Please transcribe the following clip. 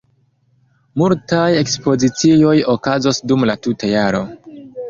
Multaj ekspozicioj okazos dum la tuta jaro.